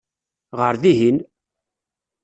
Ɣer dihin!